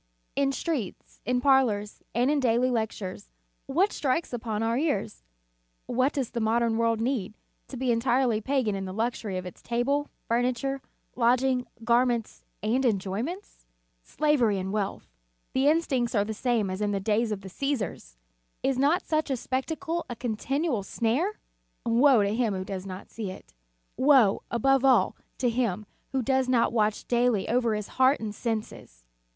In streets, in parlors, and in daily lectures, what strikes upon our ears? What does the modern world need, to be entirely pagan in the luxury of its table, furniture, lodging, garments and enjoyments? Slavery and wealth. The instincts are the same as in the days of the Csesars! Is not such a spectacle a continual snare? Woe to him who does not see it! Woe, above all, to him who does not watch daily over his heart and senses!